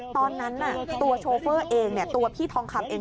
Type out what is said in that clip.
ตอนนั้นตัวโชเฟอร์เองตัวพี่ทองคำเอง